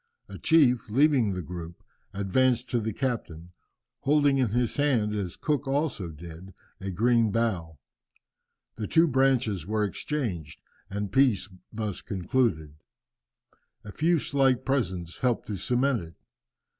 A chief, leaving the group, advanced to the captain, holding in his hand, as Cook also did, a green bough. The two branches were exchanged, and peace thus concluded, a few slight presents helped to cement it.